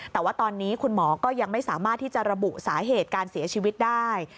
แต่ว่าตอนนี้คุณหมอก็ยังไม่สามารถที่จะระบุสาเหตุการเสียชีวิตได้